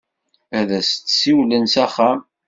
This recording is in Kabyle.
Ad as-d-siwlen s axxam.